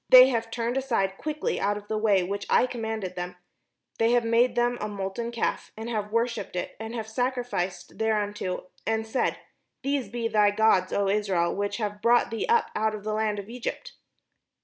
They have turned aside quickly out of the way which I commanded them ; they have made them a molten calf, and have worshipped it, and have sacrificed thereunto, and said, 'These be thy gods, O Israel, which have brought thee up out of the land of Egypt.'"